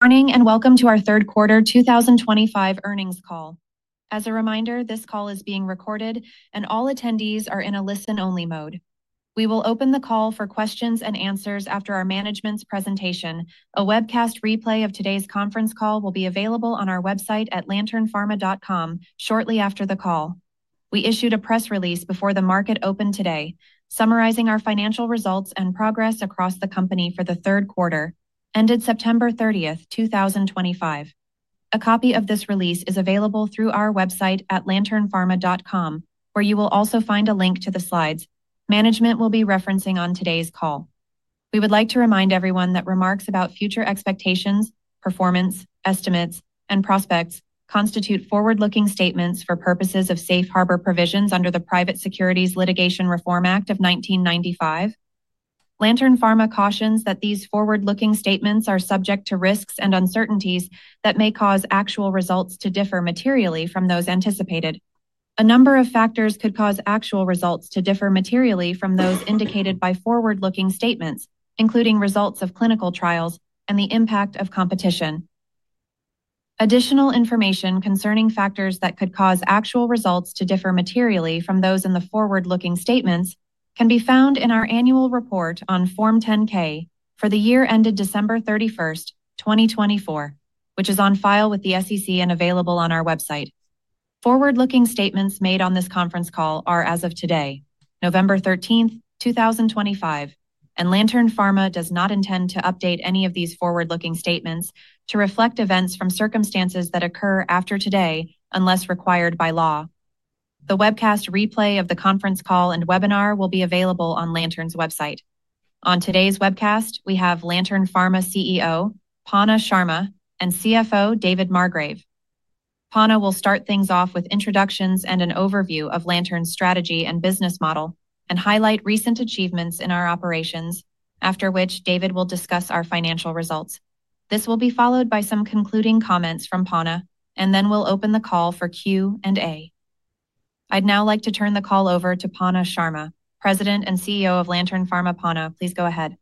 Morning and welcome to our third quarter 2025 earnings call. As a reminder, this call is being recorded, and all attendees are in a listen-only mode. We will open the call for questions and answers after our management's presentation. A webcast replay of today's conference call will be available on our website at lanternpharma.com shortly after the call. We issued a press release before the market opened today, summarizing our financial results and progress across the company for the third quarter, ended September 30, 2025. A copy of this release is available through our website at lanternpharma.com, where you will also find a link to the slides management will be referencing on today's call. We would like to remind everyone that remarks about future expectations, performance, estimates, and prospects constitute forward-looking statements for purposes of safe harbor provisions under the Private Securities Litigation Reform Act of 1995. Lantern Pharma cautions that these forward-looking statements are subject to risks and uncertainties that may cause actual results to differ materially from those anticipated. A number of factors could cause actual results to differ materially from those indicated by forward-looking statements, including results of clinical trials and the impact of competition. Additional information concerning factors that could cause actual results to differ materially from those in the forward-looking statements can be found in our annual report on Form 10-K for the year ended December 31, 2024, which is on file with the SEC and available on our website. Forward-looking statements made on this conference call are, as of today, November 13, 2025, and Lantern Pharma does not intend to update any of these forward-looking statements to reflect events from circumstances that occur after today unless required by law. The webcast replay of the conference call and webinar will be available on Lantern's website. On today's webcast, we have Lantern Pharma CEO, Panna Sharma, and CFO David Margrave. Panna will start things off with introductions and an overview of Lantern's strategy and business model, and highlight recent achievements in our operations, after which David will discuss our financial results. This will be followed by some concluding comments from Panna, and then we'll open the call for Q&A. I'd now like to turn the call over to Panna Sharma, President and CEO of Lantern Pharma. Panna, please go ahead.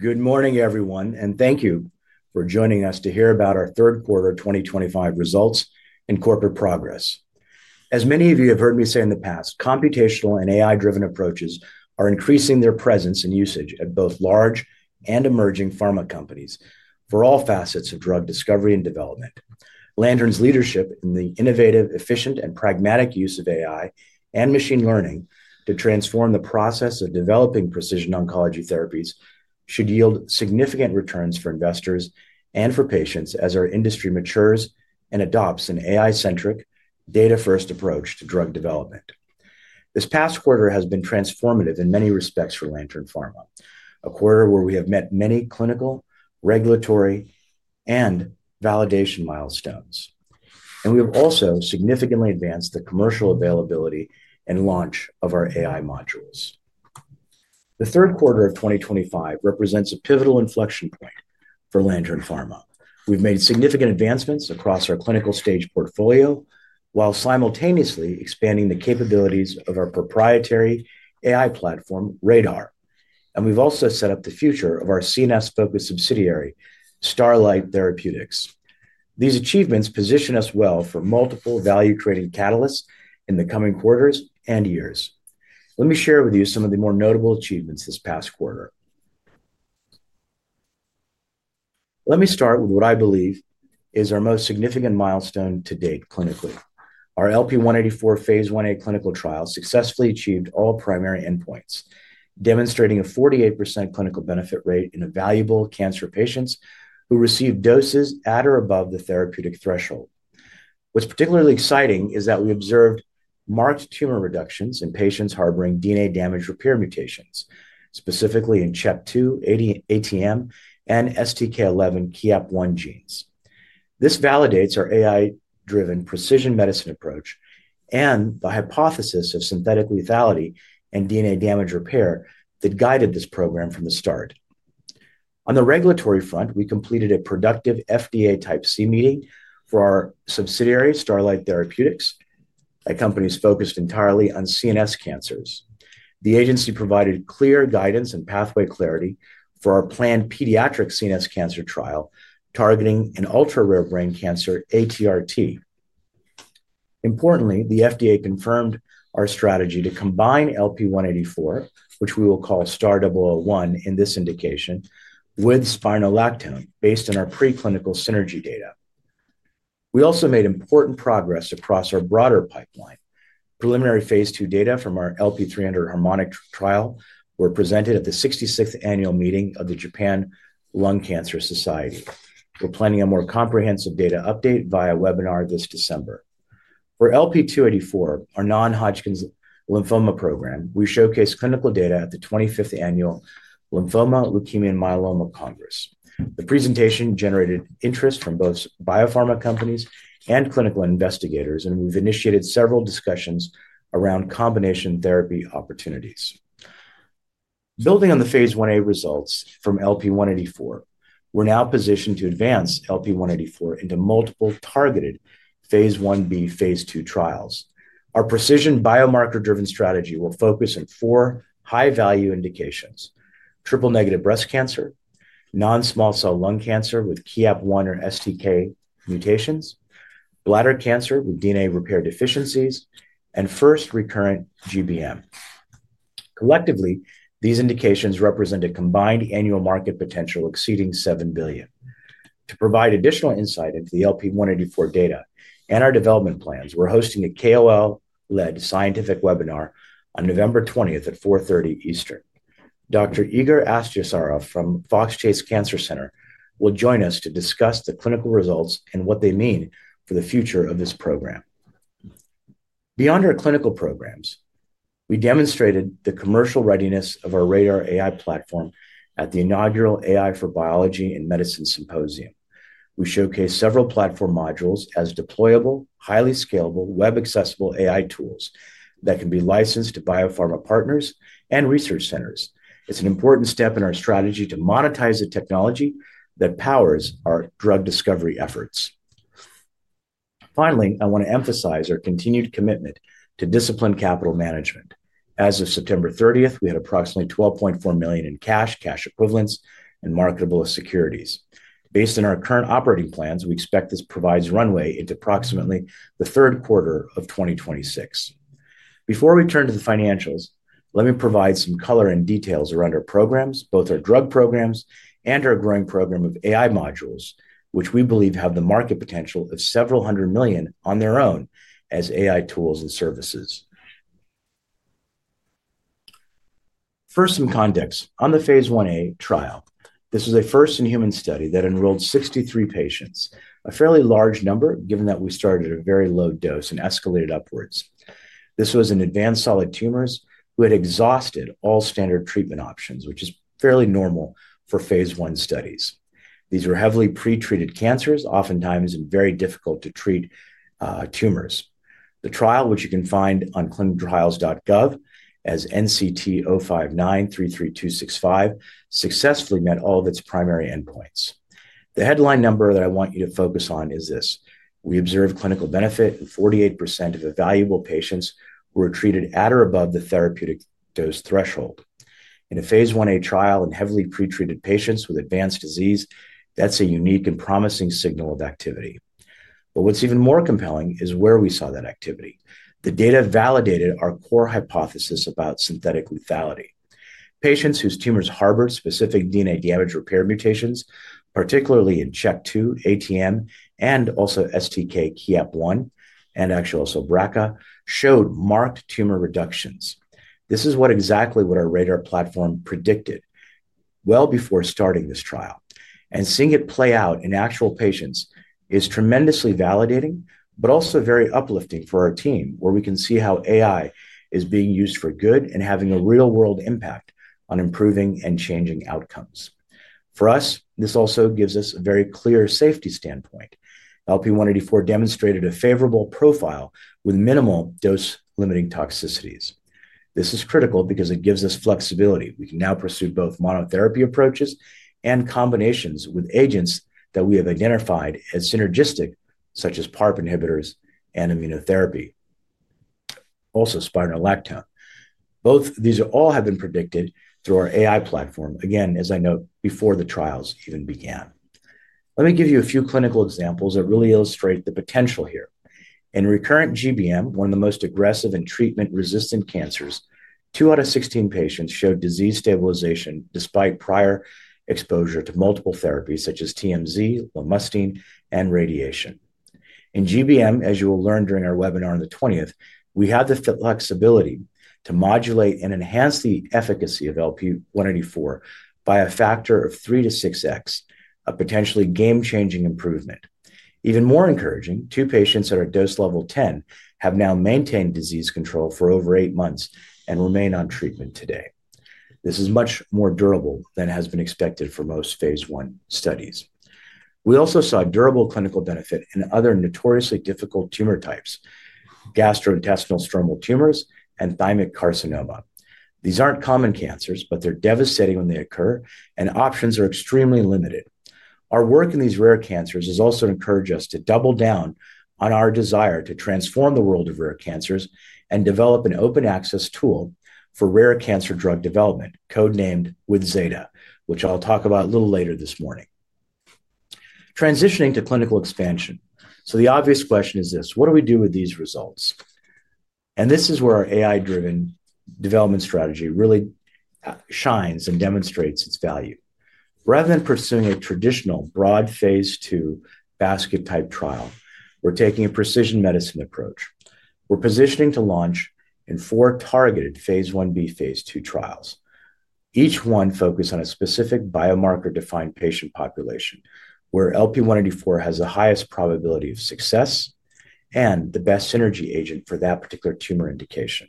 Good morning, everyone, and thank you for joining us to hear about our third quarter 2025 results and corporate progress. As many of you have heard me say in the past, computational and AI-driven approaches are increasing their presence and usage at both large and emerging pharma companies for all facets of drug discovery and development. Lantern's leadership in the innovative, efficient, and pragmatic use of AI and machine learning to transform the process of developing precision oncology therapies should yield significant returns for investors and for patients as our industry matures and adopts an AI-centric, data-first approach to drug development. This past quarter has been transformative in many respects for Lantern Pharma, a quarter where we have met many clinical, regulatory, and validation milestones, and we have also significantly advanced the commercial availability and launch of our AI modules. The third quarter of 2025 represents a pivotal inflection point for Lantern Pharma. We've made significant advancements across our clinical stage portfolio while simultaneously expanding the capabilities of our proprietary AI platform, RADR, and we've also set up the future of our CNS-focused subsidiary, Starlight Therapeutics. These achievements position us well for multiple value-creating catalysts in the coming quarters and years. Let me share with you some of the more notable achievements this past quarter. Let me start with what I believe is our most significant milestone to date clinically. Our LP-184 phase I-A clinical trial successfully achieved all primary endpoints, demonstrating a 48% clinical benefit rate in evaluable cancer patients who received doses at or above the therapeutic threshold. What's particularly exciting is that we observed marked tumor reductions in patients harboring DNA-damage repair mutations, specifically in CHEK2, ATM, and STK11, KEAP1 genes. This validates our AI-driven precision medicine approach and the hypothesis of synthetic lethality and DNA damage repair that guided this program from the start. On the regulatory front, we completed a productive FDA Type C meeting for our subsidiary, Starlight Therapeutics, a company focused entirely on CNS cancers. The agency provided clear guidance and pathway clarity for our planned pediatric CNS cancer trial targeting an ultra-rare brain cancer, ATRT. Importantly, the FDA confirmed our strategy to combine LP-184, which we will call STAR-111 in this indication, with spironolactone based on our preclinical synergy data. We also made important progress across our broader pipeline. Preliminary phase II data from our LP-300 Harmonic trial were presented at the 66th annual meeting of the Japan Lung Cancer Society. We're planning a more comprehensive data update via webinar this December. For LP-284, our non-Hodgkin's lymphoma program, we showcased clinical data at the 25th annual Lymphoma Leukemia and Myeloma Congress. The presentation generated interest from both biopharma companies and clinical investigators, and we've initiated several discussions around combination therapy opportunities. Building on the phase I-A results from LP-184, we're now positioned to advance LP-184 into multiple targeted phase I-B, phase II trials. Our precision biomarker-driven strategy will focus on four high-value indications: triple-negative breast cancer, non-small cell lung cancer with KEAP1 or STK11 mutations, bladder cancer with DNA repair deficiencies, and first recurrent GBM. Collectively, these indications represent a combined annual market potential exceeding $7 billion. To provide additional insight into the LP-184 data and our development plans, we're hosting a KOL-led scientific webinar on November 20 at 4:30 P.M. Eastern. Dr. Igor Astsaturov from Fox Chase Cancer Center will join us to discuss the clinical results and what they mean for the future of this program. Beyond our clinical programs, we demonstrated the commercial readiness of our RADR AI platform at the inaugural AI for Biology and Medicine Symposium. We showcased several platform modules as deployable, highly scalable, web-accessible AI tools that can be licensed to biopharma partners and research centers. It's an important step in our strategy to monetize the technology that powers our drug discovery efforts. Finally, I want to emphasize our continued commitment to disciplined capital management. As of September 30, we had approximately $12.4 million in cash, cash equivalents, and marketable securities. Based on our current operating plans, we expect this provides runway into approximately the third quarter of 2026. Before we turn to the financials, let me provide some color and details around our programs, both our drug programs and our growing program of AI modules, which we believe have the market potential of several hundred million on their own as AI tools and services. First, some context on the phase I-A trial. This was a first-in-human study that enrolled 63 patients, a fairly large number given that we started at a very low dose and escalated upwards. This was in advanced solid tumors who had exhausted all standard treatment options, which is fairly normal for phase I studies. These were heavily pretreated cancers, oftentimes very difficult to treat tumors. The trial, which you can find on clinicaltrials.gov as NCT05933265, successfully met all of its primary endpoints. The headline number that I want you to focus on is this: we observed clinical benefit in 48% of evaluable patients who were treated at or above the therapeutic dose threshold. In a phase I trial in heavily pretreated patients with advanced disease, that's a unique and promising signal of activity. What is even more compelling is where we saw that activity. The data validated our core hypothesis about synthetic lethality. Patients whose tumors harbored specific DNA-damage repair mutations, particularly in CHEK2, ATM, and also STK11, KEAP1, and actually also BRCA, showed marked tumor reductions. This is exactly what our RADR platform predicted well before starting this trial. Seeing it play out in actual patients is tremendously validating, but also very uplifting for our team, where we can see how AI is being used for good and having a real-world impact on improving and changing outcomes. For us, this also gives us a very clear safety standpoint. LP-184 demonstrated a favorable profile with minimal dose-limiting toxicities. This is critical because it gives us flexibility. We can now pursue both monotherapy approaches and combinations with agents that we have identified as synergistic, such as PARP inhibitors and immunotherapy, also spironolactone. Both these all have been predicted through our AI platform, again, as I note, before the trials even began. Let me give you a few clinical examples that really illustrate the potential here. In recurrent GBM, one of the most aggressive and treatment-resistant cancers, two out of 16 patients showed disease stabilization despite prior exposure to multiple therapies such as TMZ, lomustine, and radiation. In GBM, as you will learn during our webinar on the 20th, we have the flexibility to modulate and enhance the efficacy of LP-184 by a factor of 3x-6x, a potentially game-changing improvement. Even more encouraging, two patients at our dose level 10 have now maintained disease control for over eight months and remain on treatment today. This is much more durable than has been expected for most phase I studies. We also saw durable clinical benefit in other notoriously difficult tumor types, gastrointestinal stromal tumors and thymic carcinoma. These aren't common cancers, but they're devastating when they occur, and options are extremely limited. Our work in these rare cancers has also encouraged us to double down on our desire to transform the world of rare cancers and develop an open access tool for rare cancer drug development, code-named with Zeta, which I'll talk about a little later this morning. Transitioning to clinical expansion. The obvious question is this: what do we do with these results? This is where our AI-driven development strategy really shines and demonstrates its value. Rather than pursuing a traditional broad phase II basket-type trial, we're taking a precision medicine approach. We're positioning to launch in four targeted phase I-B, phase II trials, each one focused on a specific biomarker-defined patient population where LP-184 has the highest probability of success and the best synergy agent for that particular tumor indication.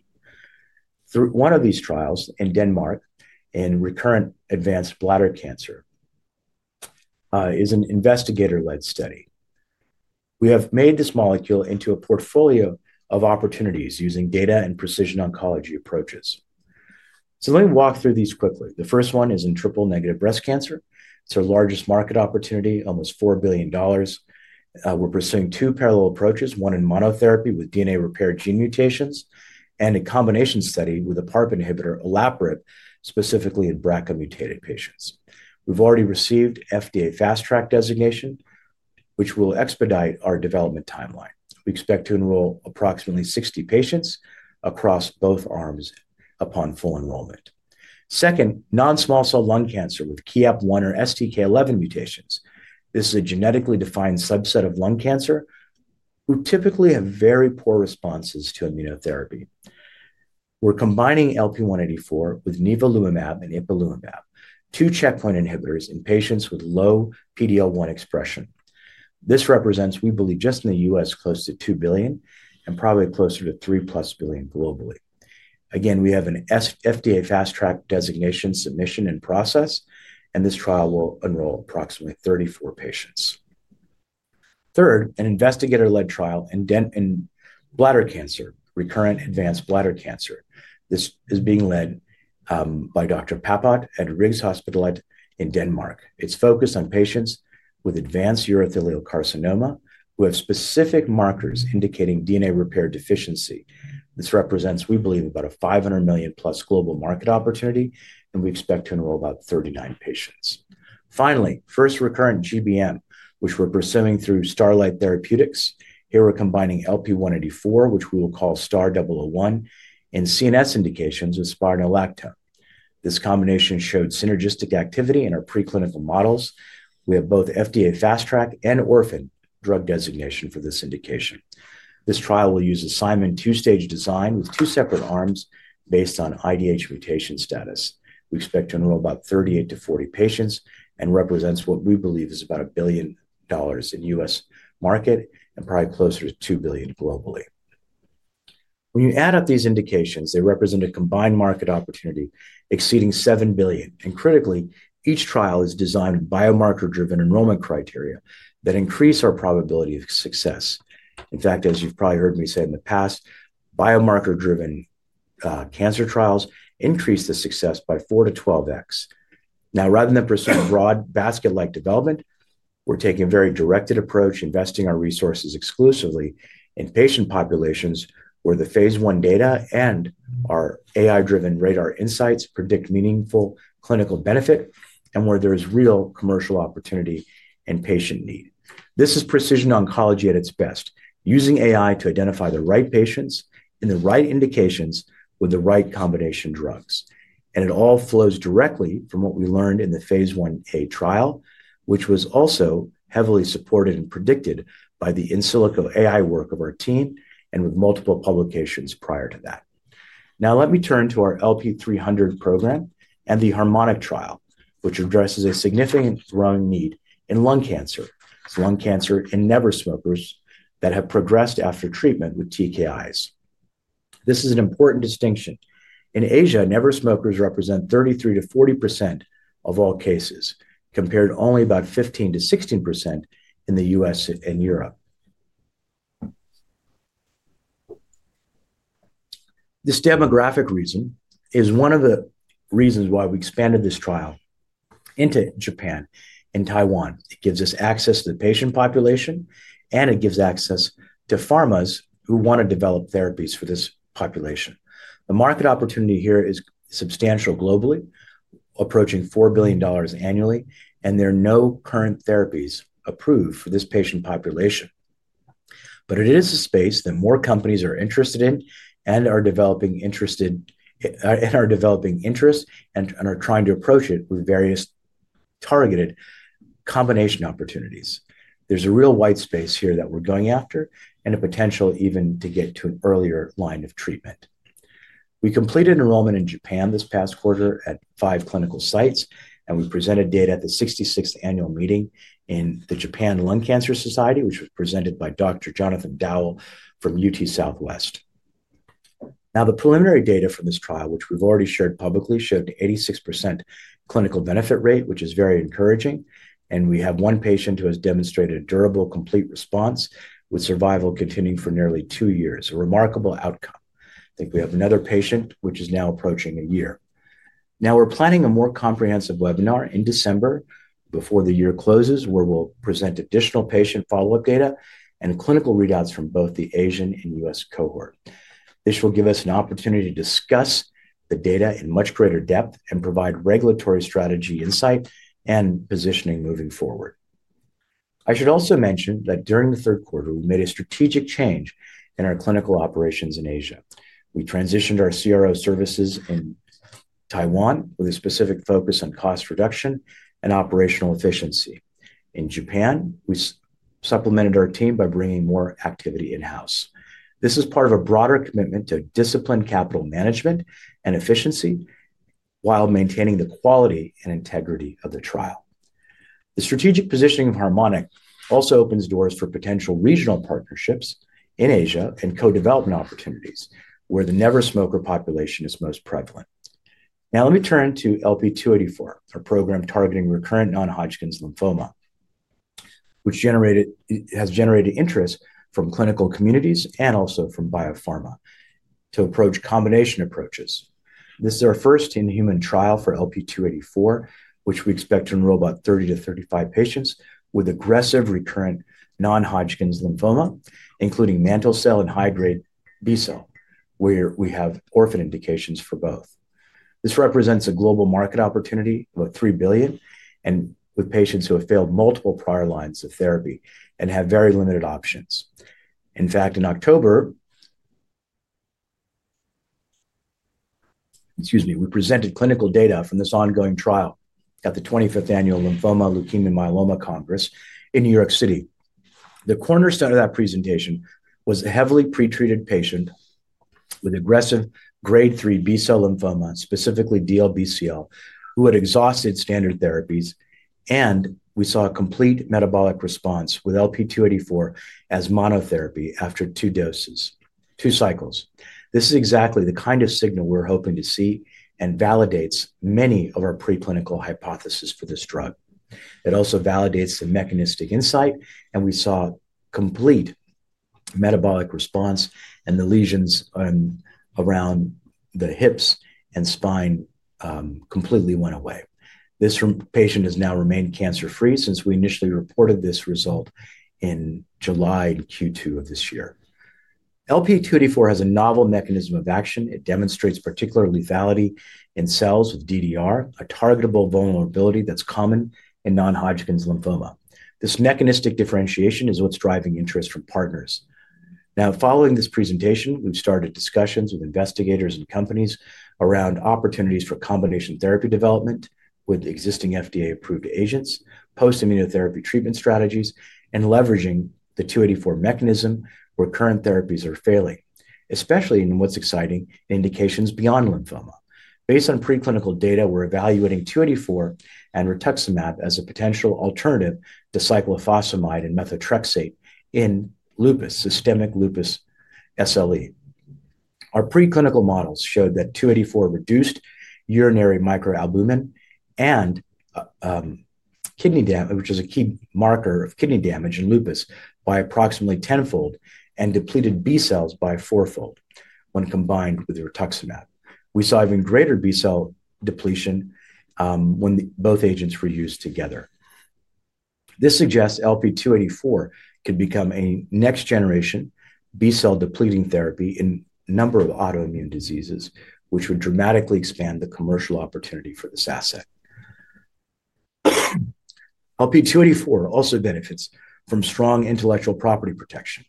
One of these trials in Denmark in recurrent advanced bladder cancer is an investigator-led study. We have made this molecule into a portfolio of opportunities using data and precision oncology approaches. Let me walk through these quickly. The first one is in triple-negative breast cancer. It is our largest market opportunity, almost $4 billion. We are pursuing two parallel approaches, one in monotherapy with DNA repair gene mutations and a combination study with a PARP inhibitor, olaparib, specifically in BRCA-mutated patients. We have already received FDA Fast Track designation, which will expedite our development timeline. We expect to enroll approximately 60 patients across both arms upon full enrollment. Second, non-small cell lung cancer with KEAP1 or STK11 mutations. This is a genetically defined subset of lung cancer who typically have very poor responses to immunotherapy. We are combining LP-184 with nivolumab and ipilimumab, two checkpoint inhibitors in patients with low PD-L1 expression. This represents, we believe, just in the U.S., close to $2 billion and probably closer to $3 billion-plus globally. Again, we have an FDA Fast Track designation submission and process, and this trial will enroll approximately 34 patients. Third, an investigator-led trial in bladder cancer, recurrent advanced bladder cancer. This is being led by Dr. Papad at Rigshospitalet in Denmark. It's focused on patients with advanced urothelial carcinoma who have specific markers indicating DNA repair deficiency. This represents, we believe, about a $500+ million global market opportunity, and we expect to enroll about 39 patients. Finally, first recurrent GBM, which we're pursuing through Starlight Therapeutics. Here we're combining LP-184, which we will call STAR-111, in CNS indications with spironolactone. This combination showed synergistic activity in our preclinical models. We have both FDA Fast Track and Orphan drug designation for this indication. This trial will use a Simon two-stage design with two separate arms based on IDH mutation status. We expect to enroll about 38-40 patients and represents what we believe is about $1 billion in U.S. market and probably closer to $2 billion globally. When you add up these indications, they represent a combined market opportunity exceeding $7 billion. Critically, each trial is designed with biomarker-driven enrollment criteria that increase our probability of success. In fact, as you've probably heard me say in the past, biomarker-driven cancer trials increase the success by 4-12x. Now, rather than pursue a broad basket-like development, we're taking a very directed approach, investing our resources exclusively in patient populations where the phase I data and our AI-driven RADR Insights predict meaningful clinical benefit and where there is real commercial opportunity and patient need. This is precision oncology at its best, using AI to identify the right patients and the right indications with the right combination drugs. It all flows directly from what we learned in the phase I-A trial, which was also heavily supported and predicted by the in silico AI work of our team and with multiple publications prior to that. Now, let me turn to our LP-300 program and the Harmonic trial, which addresses a significant growing need in lung cancer. It is lung cancer in never-smokers that have progressed after treatment with TKIs. This is an important distinction. In Asia, never-smokers represent 33%-40% of all cases, compared to only about 15%-16% in the U.S. and Europe. This demographic reason is one of the reasons why we expanded this trial into Japan and Taiwan. It gives us access to the patient population, and it gives access to pharmas who want to develop therapies for this population. The market opportunity here is substantial globally, approaching $4 billion annually, and there are no current therapies approved for this patient population. It is a space that more companies are interested in and are developing interest in and are trying to approach it with various targeted combination opportunities. There's a real white space here that we're going after and a potential even to get to an earlier line of treatment. We completed enrollment in Japan this past quarter at five clinical sites, and we presented data at the 66th annual meeting in the Japan Lung Cancer Society, which was presented by Dr. Jonathan Dowell from UT Southwestern. Now, the preliminary data from this trial, which we've already shared publicly, showed an 86% clinical benefit rate, which is very encouraging. We have one patient who has demonstrated a durable complete response, with survival continuing for nearly two years, a remarkable outcome. I think we have another patient, which is now approaching a year. We are planning a more comprehensive webinar in December before the year closes, where we'll present additional patient follow-up data and clinical readouts from both the Asian and U.S. cohort. This will give us an opportunity to discuss the data in much greater depth and provide regulatory strategy insight and positioning moving forward. I should also mention that during the third quarter, we made a strategic change in our clinical operations in Asia. We transitioned our CRO services in Taiwan with a specific focus on cost reduction and operational efficiency. In Japan, we supplemented our team by bringing more activity in-house. This is part of a broader commitment to disciplined capital management and efficiency while maintaining the quality and integrity of the trial. The strategic positioning of Harmonic also opens doors for potential regional partnerships in Asia and co-development opportunities where the never-smoker population is most prevalent. Now, let me turn to LP-284, our program targeting recurrent non-Hodgkin's lymphoma, which has generated interest from clinical communities and also from biopharma to approach combination approaches. This is our first in-human trial for LP-284, which we expect to enroll about 30-35 patients with aggressive recurrent non-Hodgkin's lymphoma, including mantle cell and high-grade B cell, where we have orphan indications for both. This represents a global market opportunity of about $3 billion and with patients who have failed multiple prior lines of therapy and have very limited options. In fact, in October, excuse me, we presented clinical data from this ongoing trial at the 25th annual Lymphoma Leukemia Myeloma Congress in New York City. The cornerstone of that presentation was a heavily pretreated patient with aggressive grade 3 B cell lymphoma, specifically DLBCL, who had exhausted standard therapies, and we saw a complete metabolic response with LP-284 as monotherapy after two doses, two cycles. This is exactly the kind of signal we're hoping to see and validates many of our preclinical hypotheses for this drug. It also validates the mechanistic insight, and we saw complete metabolic response, and the lesions around the hips and spine completely went away. This patient has now remained cancer-free since we initially reported this result in July in Q2 of this year. LP-284 has a novel mechanism of action. It demonstrates particular lethality in cells with DDR, a targetable vulnerability that's common in non-Hodgkin's lymphoma. This mechanistic differentiation is what's driving interest from partners. Now, following this presentation, we've started discussions with investigators and companies around opportunities for combination therapy development with existing FDA-approved agents, post-immunotherapy treatment strategies, and leveraging the 284 mechanism where current therapies are failing, especially in what's exciting in indications beyond lymphoma. Based on preclinical data, we're evaluating 284 and rituximab as a potential alternative to cyclophosphamide and methotrexate in lupus, systemic lupus SLE. Our preclinical models showed that 284 reduced urinary microalbumin and kidney damage, which is a key marker of kidney damage in lupus, by approximately tenfold and depleted B cells by fourfold when combined with rituximab. We saw even greater B cell depletion when both agents were used together. This suggests LP-284 could become a next-generation B cell depleting therapy in a number of autoimmune diseases, which would dramatically expand the commercial opportunity for this asset. LP-284 also benefits from strong intellectual property protection.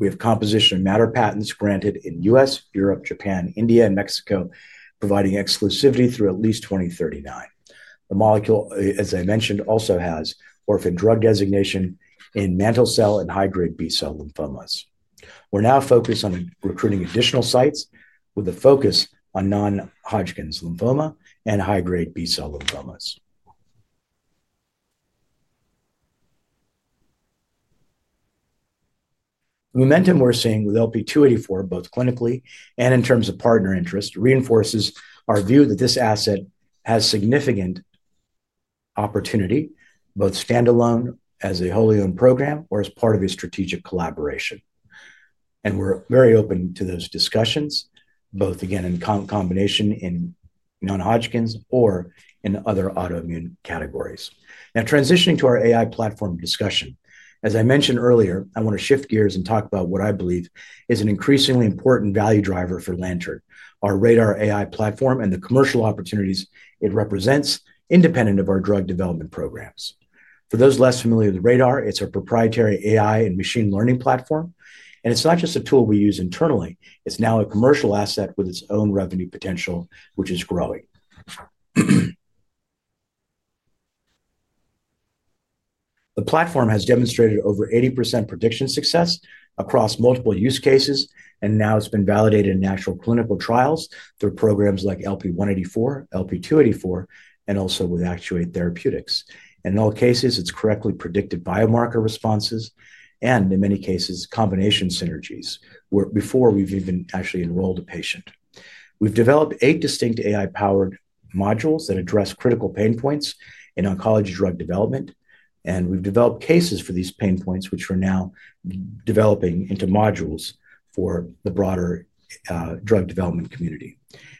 We have composition and matter patents granted in the U.S., Europe, Japan, India, and Mexico, providing exclusivity through at least 2039. The molecule, as I mentioned, also has orphan drug designation in mantle cell and high-grade B cell lymphomas. We're now focused on recruiting additional sites with a focus on non-Hodgkin's lymphoma and high-grade B cell lymphomas. The momentum we're seeing with LP-284, both clinically and in terms of partner interest, reinforces our view that this asset has significant opportunity, both standalone as a wholly owned program or as part of a strategic collaboration. We are very open to those discussions, both again in combination in non-Hodgkin's or in other autoimmune categories. Now, transitioning to our AI platform discussion. As I mentioned earlier, I want to shift gears and talk about what I believe is an increasingly important value driver for Lantern, our RADR AI platform and the commercial opportunities it represents independent of our drug development programs. For those less familiar with RADR, it's our proprietary AI and machine learning platform. And it's not just a tool we use internally. It's now a commercial asset with its own revenue potential, which is growing. The platform has demonstrated over 80% prediction success across multiple use cases, and now it's been validated in actual clinical trials through programs like LP-184, LP-284, and also with Actuate Therapeutics. In all cases, it's correctly predicted biomarker responses and, in many cases, combination synergies where before we've even actually enrolled a patient. We've developed eight distinct AI-powered modules that address critical pain points in oncology drug development, and we've developed cases for these pain points, which we're now developing into modules for the broader drug development community.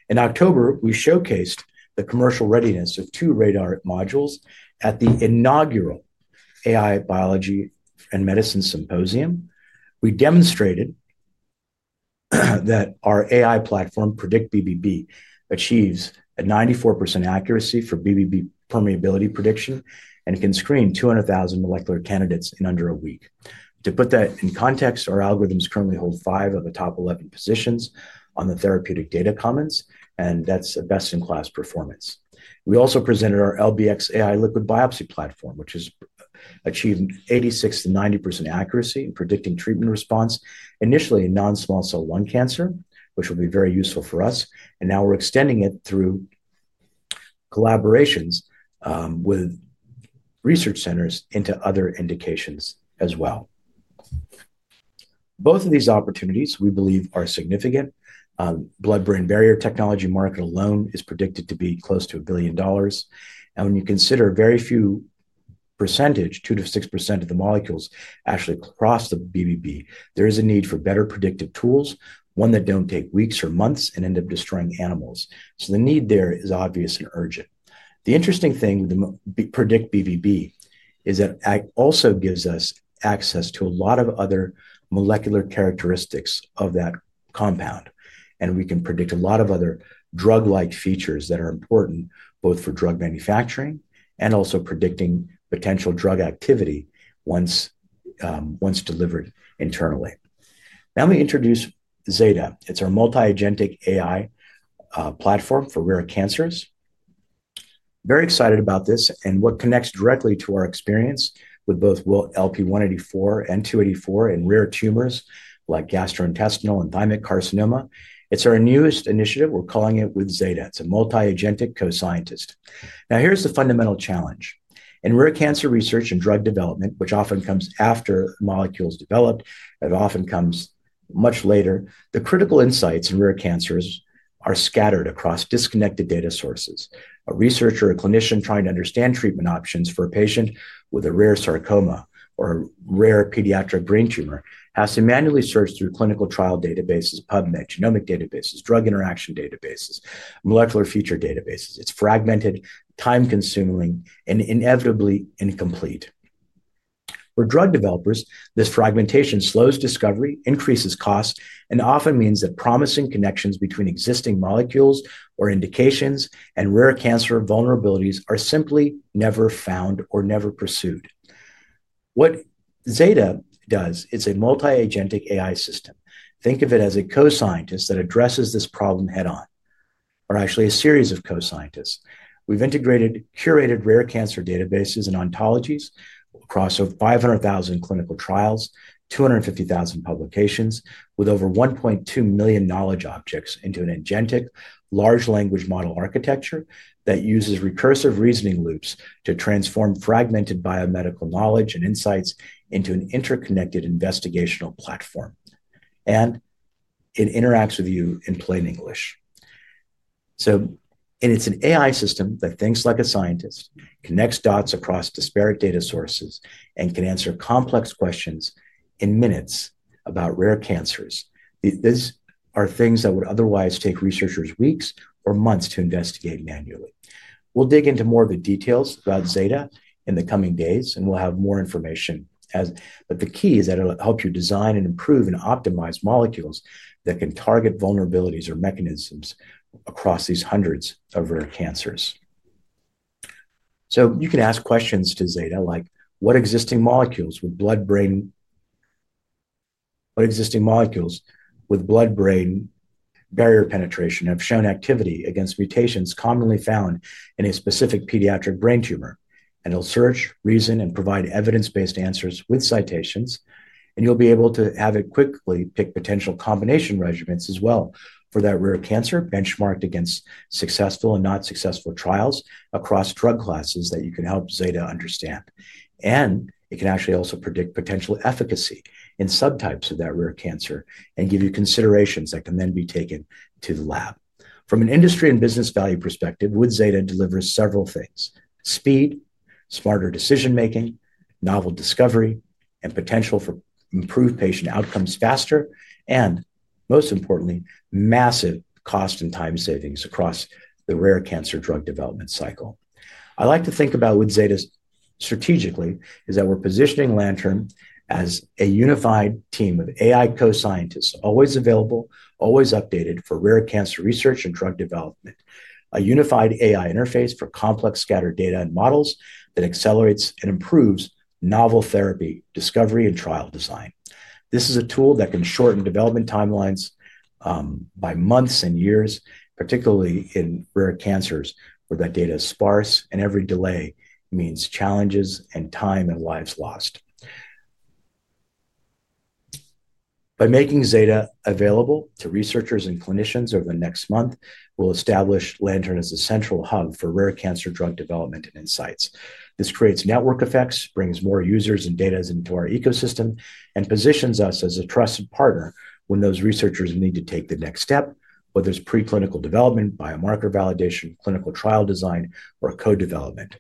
In October, we showcased the commercial readiness of two RADR modules at the inaugural AI Biology and Medicine Symposium. We demonstrated that our AI platform, PredictBBB, achieves a 94% accuracy for BBB permeability prediction and can screen 200,000 molecular candidates in under a week. To put that in context, our algorithms currently hold five of the top 11 positions on the Therapeutic Data Commons, and that's a best-in-class performance. We also presented our LBX AI liquid biopsy platform, which has achieved 86-90% accuracy in predicting treatment response, initially in non-small cell lung cancer, which will be very useful for us. Now we're extending it through collaborations with research centers into other indications as well. Both of these opportunities, we believe, are significant. Blood-brain barrier technology market alone is predicted to be close to $1 billion. When you consider a very few percentage, 2%-6% of the molecules actually cross the BBB, there is a need for better predictive tools, ones that do not take weeks or months and end up destroying animals. The need there is obvious and urgent. The interesting thing with PredictBBB is that it also gives us access to a lot of other molecular characteristics of that compound, and we can predict a lot of other drug-like features that are important both for drug manufacturing and also predicting potential drug activity once delivered internally. Now let me introduce Zeta. It's our multi-agentic AI platform for rare cancers. Very excited about this and what connects directly to our experience with both LP-184 and LP-284 in rare tumors like gastrointestinal and thymic carcinoma. It's our newest initiative. We're calling it with Zeta. It's a multi-agentic co-scientist. Now, here's the fundamental challenge. In rare cancer research and drug development, which often comes after molecules develop, it often comes much later. The critical insights in rare cancers are scattered across disconnected data sources. A researcher or a clinician trying to understand treatment options for a patient with a rare sarcoma or a rare pediatric brain tumor has to manually search through clinical trial databases, PubMed, genomic databases, drug interaction databases, molecular feature databases. It's fragmented, time-consuming, and inevitably incomplete. For drug developers, this fragmentation slows discovery, increases costs, and often means that promising connections between existing molecules or indications and rare cancer vulnerabilities are simply never found or never pursued. What Zeta does is a multi-agentic AI system. Think of it as a co-scientist that addresses this problem head-on, or actually a series of co-scientists. We've integrated curated rare cancer databases and ontologies across over 500,000 clinical trials, 250,000 publications, with over 1.2 million knowledge objects into an agentic large language model architecture that uses recursive reasoning loops to transform fragmented biomedical knowledge and insights into an interconnected investigational platform. It interacts with you in plain English. It is an AI system that thinks like a scientist, connects dots across disparate data sources, and can answer complex questions in minutes about rare cancers. These are things that would otherwise take researchers weeks or months to investigate manually. We'll dig into more of the details about Zeta in the coming days, and we'll have more information. The key is that it'll help you design and improve and optimize molecules that can target vulnerabilities or mechanisms across these hundreds of rare cancers. You can ask questions to Zeta, like, "What existing molecules with blood-brain barrier penetration have shown activity against mutations commonly found in a specific pediatric brain tumor?" It will search, reason, and provide evidence-based answers with citations. You'll be able to have it quickly pick potential combination regimens as well for that rare cancer, benchmarked against successful and not successful trials across drug classes that you can help Zeta understand. It can actually also predict potential efficacy in subtypes of that rare cancer and give you considerations that can then be taken to the lab. From an industry and business value perspective, what Zeta delivers is several things: speed, smarter decision-making, novel discovery, and potential for improved patient outcomes faster, and most importantly, massive cost and time savings across the rare cancer drug development cycle. I like to think about what Zeta strategically is that we're positioning Lantern as a unified team of AI co-scientists, always available, always updated for rare cancer research and drug development, a unified AI interface for complex scattered data and models that accelerates and improves novel therapy discovery and trial design. This is a tool that can shorten development timelines by months and years, particularly in rare cancers where that data is sparse, and every delay means challenges and time and lives lost. By making Zeta available to researchers and clinicians over the next month, we'll establish Lantern as a central hub for rare cancer drug development and insights. This creates network effects, brings more users and data into our ecosystem, and positions us as a trusted partner when those researchers need to take the next step, whether it's preclinical development, biomarker validation, clinical trial design, or co-development.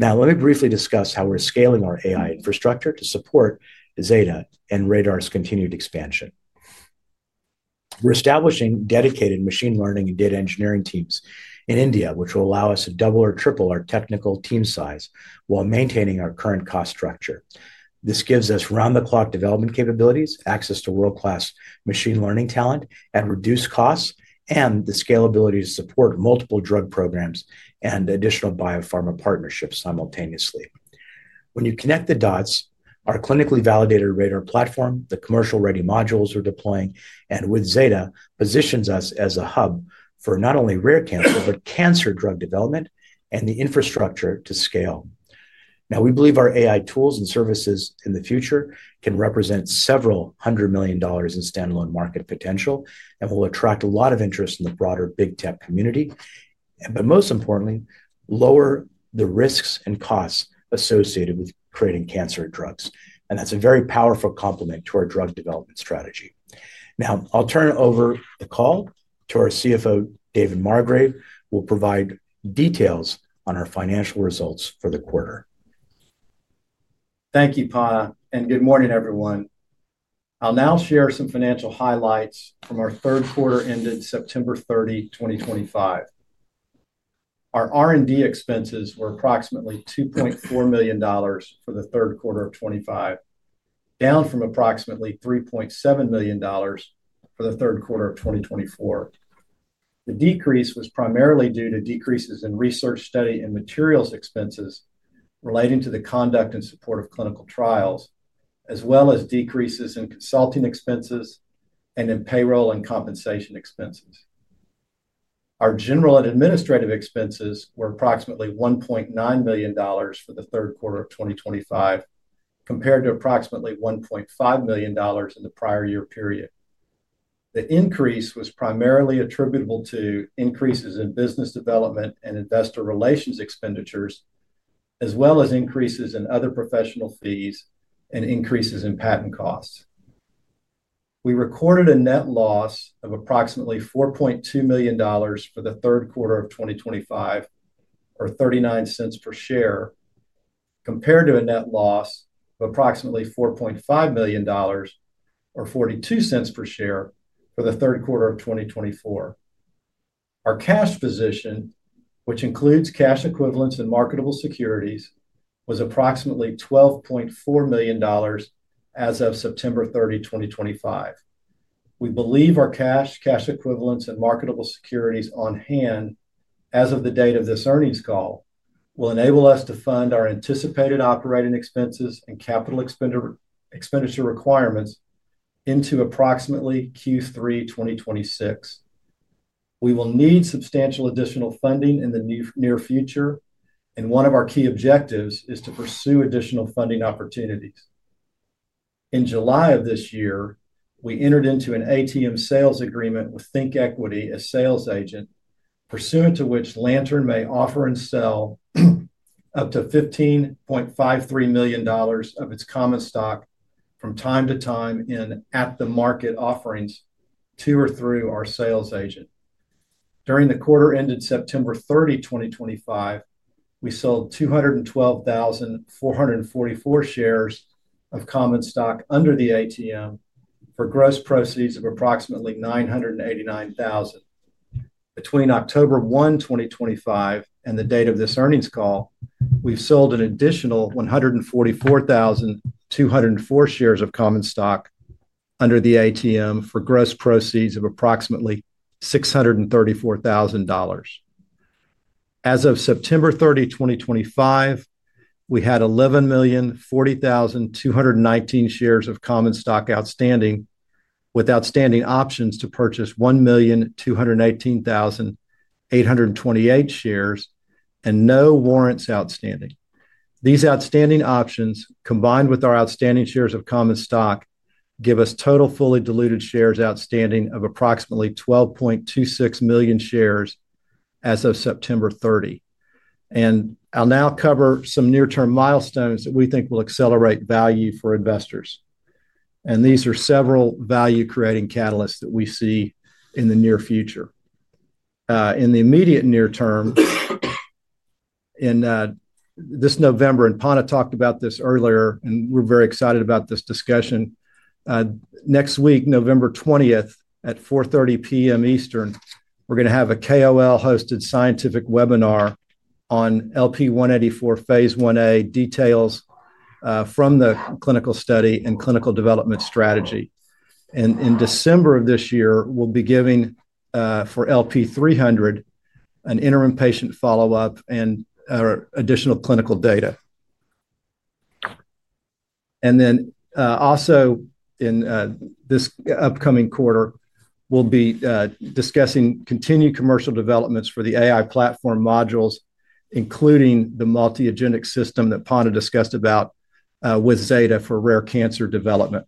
Now, let me briefly discuss how we're scaling our AI infrastructure to support Zeta and RADR's continued expansion. We're establishing dedicated machine learning and data engineering teams in India, which will allow us to double or triple our technical team size while maintaining our current cost structure. This gives us round-the-clock development capabilities, access to world-class machine learning talent, and reduced costs and the scalability to support multiple drug programs and additional biopharma partnerships simultaneously. When you connect the dots, our clinically validated RADR platform, the commercial-ready modules we're deploying, and with Zeta positions us as a hub for not only rare cancer, but cancer drug development and the infrastructure to scale. Now, we believe our AI tools and services in the future can represent several hundred million dollars in standalone market potential, and we'll attract a lot of interest in the broader big tech community. Most importantly, lower the risks and costs associated with creating cancer drugs. That's a very powerful complement to our drug development strategy. Now, I'll turn it over the call to our CFO, David Margrave, who will provide details on our financial results for the quarter. Thank you, Panna. Good morning, everyone. I'll now share some financial highlights from our third quarter ended September 30, 2025. Our R&D expenses were approximately $2.4 million for the third quarter of 2025, down from approximately $3.7 million for the third quarter of 2024. The decrease was primarily due to decreases in research study and materials expenses relating to the conduct and support of clinical trials, as well as decreases in consulting expenses and in payroll and compensation expenses. Our general and administrative expenses were approximately $1.9 million for the third quarter of 2025, compared to approximately $1.5 million in the prior year period. The increase was primarily attributable to increases in business development and investor relations expenditures, as well as increases in other professional fees and increases in patent costs. We recorded a net loss of approximately $4.2 million for the third quarter of 2025, or $0.39 per share, compared to a net loss of approximately $4.5 million, or $0.42 per share for the third quarter of 2024. Our cash position, which includes cash equivalents and marketable securities, was approximately $12.4 million as of September 30, 2025. We believe our cash, cash equivalents, and marketable securities on hand as of the date of this earnings call will enable us to fund our anticipated operating expenses and capital expenditure requirements into approximately Q3 2026. We will need substantial additional funding in the near future, and one of our key objectives is to pursue additional funding opportunities. In July of this year, we entered into an ATM sales agreement with ThinkEquity as sales agent, pursuant to which Lantern may offer and sell up to $15.53 million of its common stock from time to time in at-the-market offerings to or through our sales agent. During the quarter ended September 30, 2025, we sold 212,444 shares of common stock under the ATM for gross proceeds of approximately $989,000. Between October 1, 2025, and the date of this earnings call, we've sold an additional 144,204 shares of common stock under the ATM for gross proceeds of approximately $634,000. As of September 30, 2025, we had 11,040,219 shares of common stock outstanding with outstanding options to purchase 1,218,828 shares and no warrants outstanding. These outstanding options, combined with our outstanding shares of common stock, give us total fully diluted shares outstanding of approximately 12.26 million shares as of September 30. I'll now cover some near-term milestones that we think will accelerate value for investors. These are several value-creating catalysts that we see in the near future. In the immediate near term, in this November, and Panna talked about this earlier, and we're very excited about this discussion. Next week, November 20th, at 4:30 P.M. Eastern, we're going to have a KOL-hosted scientific webinar on LP-184 phase I-A details from the clinical study and clinical development strategy. In December of this year, we'll be giving for LP-300 an interim patient follow-up and additional clinical data. Also in this upcoming quarter, we'll be discussing continued commercial developments for the AI platform modules, including the multi-agentic system that Panna discussed about with Zeta for rare cancer development.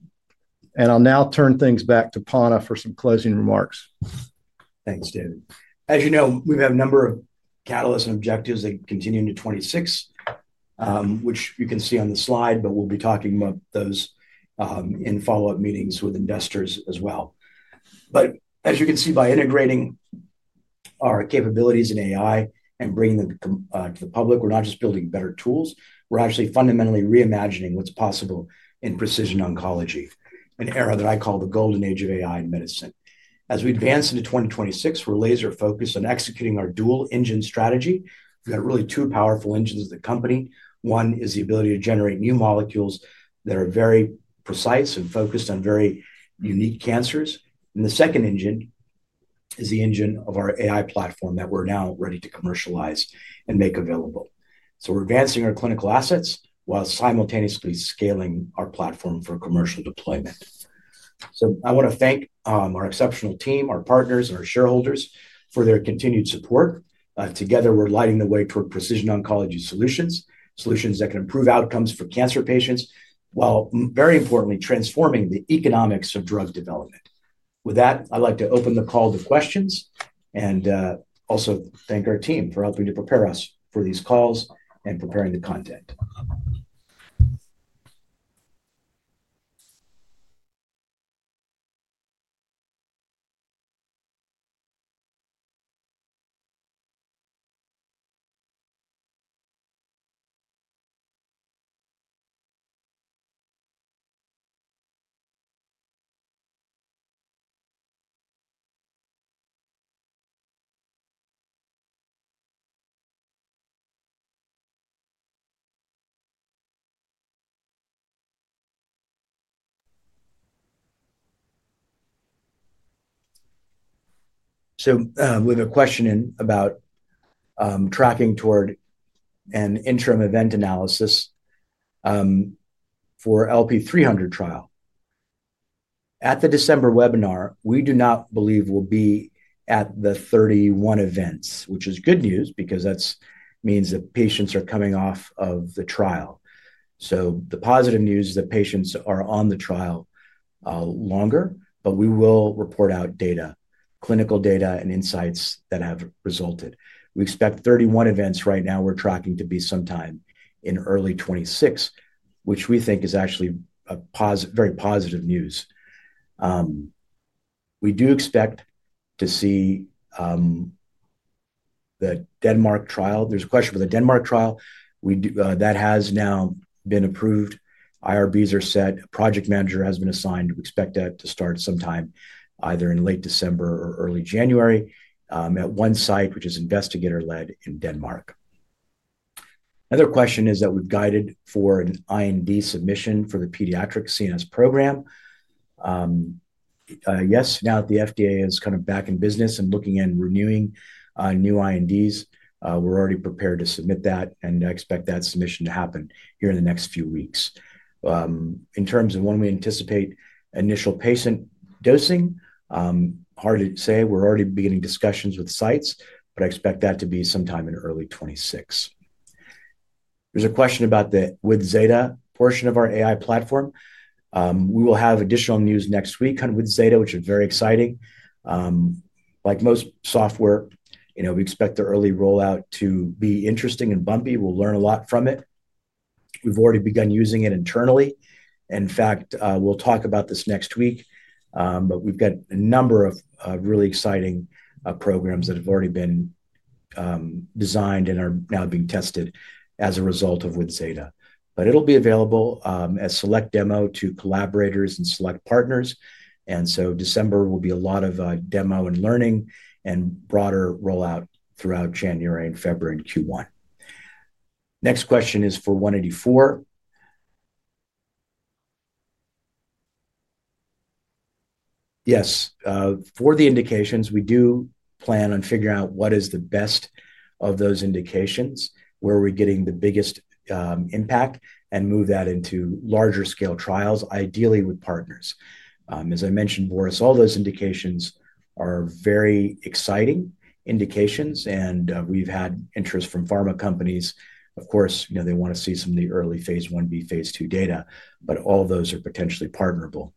I'll now turn things back to Panna for some closing remarks. Thanks, David. As you know, we have a number of catalysts and objectives that continue into 2026, which you can see on the slide, but we'll be talking about those in follow-up meetings with investors as well. As you can see, by integrating our capabilities in AI and bringing them to the public, we're not just building better tools. We're actually fundamentally reimagining what's possible in precision oncology, an era that I call the golden age of AI in medicine. As we advance into 2026, we're laser-focused on executing our dual engine strategy. We've got really two powerful engines of the company. One is the ability to generate new molecules that are very precise and focused on very unique cancers. The second engine is the engine of our AI platform that we're now ready to commercialize and make available. We're advancing our clinical assets while simultaneously scaling our platform for commercial deployment. I want to thank our exceptional team, our partners, and our shareholders for their continued support. Together, we're lighting the way toward precision oncology solutions, solutions that can improve outcomes for cancer patients while, very importantly, transforming the economics of drug development. With that, I'd like to open the call to questions and also thank our team for helping to prepare us for these calls and preparing the content. We have a question in about tracking toward an interim event analysis for the LP-300 trial. At the December webinar, we do not believe we'll be at the 31 events, which is good news because that means that patients are coming off of the trial. The positive news is that patients are on the trial longer, but we will report out data, clinical data and insights that have resulted. We expect 31 events right now. We're tracking to be sometime in early 2026, which we think is actually very positive news. We do expect to see the Denmark trial. There's a question for the Denmark trial. That has now been approved. IRBs are set. A project manager has been assigned. We expect that to start sometime either in late December or early January at one site, which is investigator-led in Denmark. Another question is that we've guided for an IND submission for the pediatric CNS program. Yes, now that the FDA is kind of back in business and looking and renewing new INDs, we're already prepared to submit that and expect that submission to happen here in the next few weeks. In terms of when we anticipate initial patient dosing, hard to say. We're already beginning discussions with sites, but I expect that to be sometime in early 2026. There's a question about the with Zeta portion of our AI platform. We will have additional news next week kind of with Zeta, which is very exciting. Like most software, we expect the early rollout to be interesting and bumpy. We'll learn a lot from it. We've already begun using it internally. In fact, we'll talk about this next week, but we've got a number of really exciting programs that have already been designed and are now being tested as a result of with Zeta. It will be available as select demo to collaborators and select partners. December will be a lot of demo and learning and broader rollout throughout January and February in Q1. Next question is for 184. Yes. For the indications, we do plan on figuring out what is the best of those indications, where we're getting the biggest impact, and move that into larger scale trials, ideally with partners. As I mentioned, Boris, all those indications are very exciting indications, and we've had interest from pharma companies. Of course, they want to see some of the early phase I-B, phase II data, but all of those are potentially partnerable.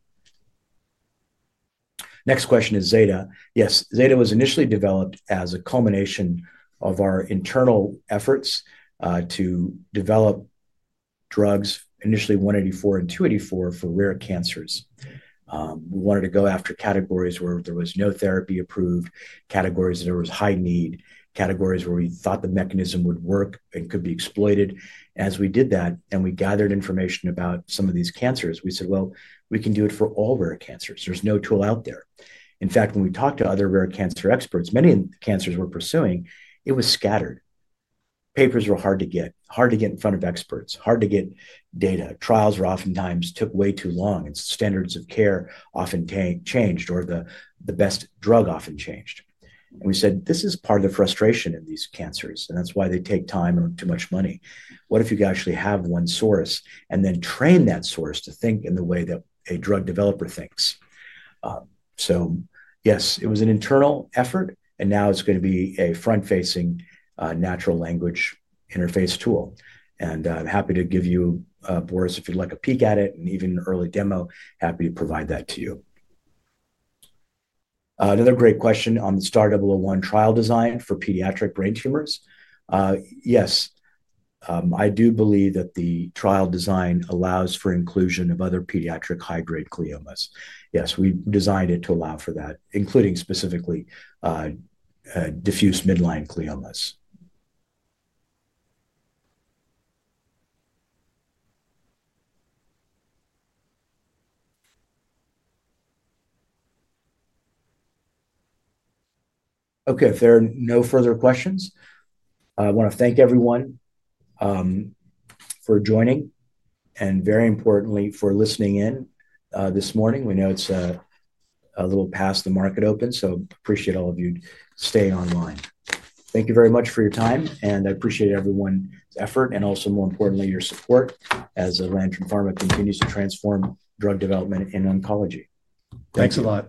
Next question is Zeta. Yes, Zeta was initially developed as a culmination of our internal efforts to develop drugs, initially 184 and 284 for rare cancers. We wanted to go after categories where there was no therapy approved, categories that there was high need, categories where we thought the mechanism would work and could be exploited. As we did that and we gathered information about some of these cancers, we said, "Well, we can do it for all rare cancers. There's no tool out there." In fact, when we talked to other rare cancer experts, many of the cancers we're pursuing, it was scattered. Papers were hard to get, hard to get in front of experts, hard to get data. Trials oftentimes took way too long, and standards of care often changed, or the best drug often changed. We said, "This is part of the frustration in these cancers, and that's why they take time and too much money. What if you could actually have one source and then train that source to think in the way that a drug developer thinks?" Yes, it was an internal effort, and now it's going to be a front-facing natural language interface tool. I'm happy to give you, Boris, if you'd like a peek at it and even an early demo, happy to provide that to you. Another great question on the STAR-111 trial design for pediatric brain tumors. Yes, I do believe that the trial design allows for inclusion of other pediatric high-grade gliomas. Yes, we designed it to allow for that, including specifically diffuse midline gliomas. Okay, if there are no further questions, I want to thank everyone for joining and, very importantly, for listening in this morning. We know it's a little past the market open, so appreciate all of you staying online. Thank you very much for your time, and I appreciate everyone's effort and also, more importantly, your support as Lantern Pharma continues to transform drug development in oncology. Thanks a lot.